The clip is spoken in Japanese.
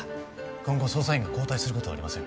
今後捜査員が交代することはありません